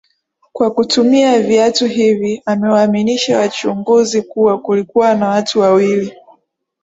Kwa kutumia viatu hivi amewaaminisha wachunguzi kuwa kulikuwa na watu wawili